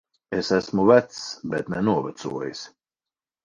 Es esmu vecs. Bet ne novecojis.